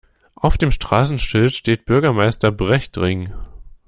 Auf dem Straßenschild steht Bürgermeister-Brecht-Ring.